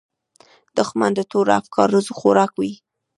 دښمن د تورو افکارو خوراک وي